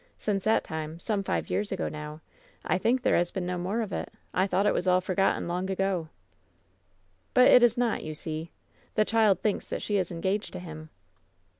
Since that time — some five years ago now — I think there has been no more of it. I thought it was all forgotten long ago." "But it is not, you see. The child thinks that she is engaged to him."